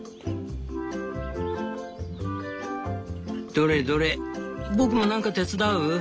「どれどれ僕もなんか手伝う？